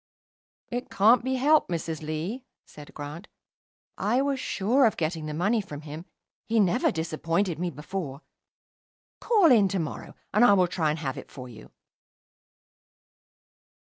"It can't be helped, Mrs. Lee," said Grant. "I was sure of getting the money from him. He never disappointed me before. Call in to morrow, and I will try and have it for you."